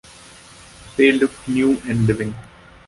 They looked new and living.